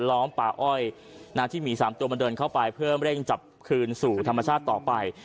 ล้อมป่าอ้อยที่หมี๓ตัวมันเดินเข้าไปเพื่อเร่งจับคืนสู่ธรรมชาติต่อไป